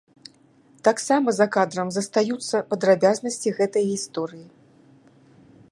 Таксама за кадрам застаюцца падрабязнасці гэтай гісторыі.